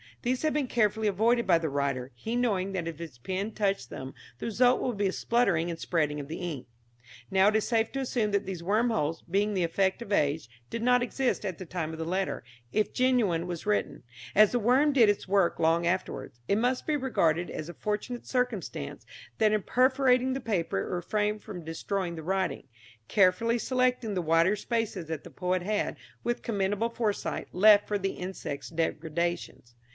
These had been carefully avoided by the writer, he knowing that if his pen touched them the result would be a spluttering and spreading of the ink. Now it is safe to assume that these worm holes, being the effect of age, did not exist at the time the letter if genuine was written; as the worm did its work long afterwards, it must be regarded as a fortunate circumstance that in perforating the paper it refrained from destroying the writing, carefully selecting the wider spaces that the poet had, with commendable foresight, left for the insect's depredations.